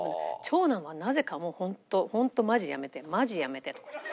長男はなぜかホントホントマジでやめてマジでやめてとか言って。